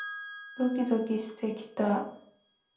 ドキドキしてきた